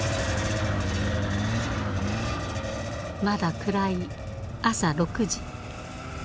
まだ暗い朝６時。